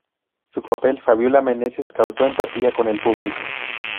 Su papel, "Fabiola Meneses", causó empatía con el público.